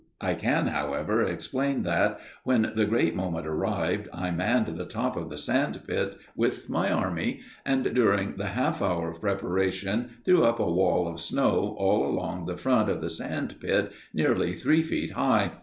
I can, however, explain that, when the great moment arrived, I manned the top of the sand pit with my army, and during the half hour of preparation threw up a wall of snow all along the front of the sand pit nearly three feet high.